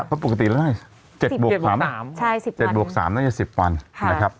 เพราะปกติแล้วน่าจะ๗บวก๓น่าจะ๑๐วัน